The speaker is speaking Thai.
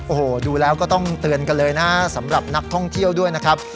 โอ้โหดูแล้วก็ต้องเตือนกันเลยนะสำหรับนักท่องเที่ยวด้วยนะครับ